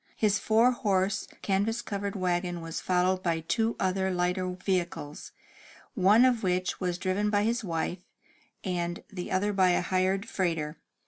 His four horse canvas covered wagon was followed by two other lighter vehicles, one of which was driven by his wife, and the other by a hired freighter.